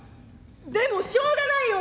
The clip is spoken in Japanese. でもしょうがないよ！